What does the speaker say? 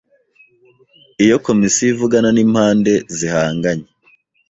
iyo Komisiyo ivugana n’impande zihanganye,